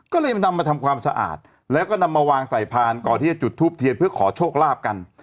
ก็เลยนำมาทำความสะอาดแล้วก็นำมาวางใส่พานก่อนที่จะจุดทูปเทียนเพื่อขอโชคลาภกัน